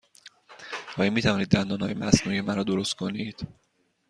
آیا می توانید دندانهای مصنوعی مرا درست کنید؟